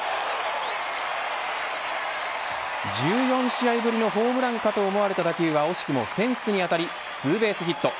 １４試合ぶりのホームランかと思われた打球は惜しくもフェンスに当たりツーベースヒット。